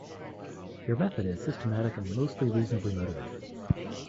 Your method is systematic and mostly reasonably motivated.